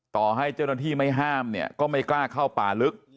ต่อให้เจ้าหน้าที่ไม่ห้ามเนี่ยก็ไม่กล้าเข้าป่าลึก